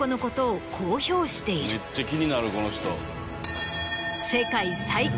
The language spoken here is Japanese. めっちゃ気になるこの人。